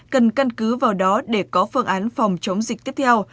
cần căn cứ vào đó để có phương án phòng chống dịch tiếp theo